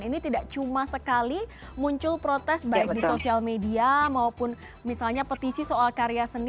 ini tidak cuma sekali muncul protes baik di sosial media maupun misalnya petisi soal karya seni